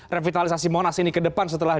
revitalisasi monas ini ke depan setelah